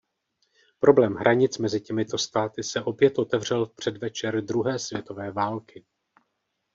Problém hranic mezi těmito státy se opět otevřel předvečer Druhé světové války.